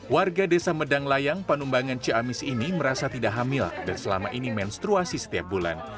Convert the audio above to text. warga desa medang layang panumbangan ciamis ini merasa tidak hamil dan selama ini menstruasi setiap bulan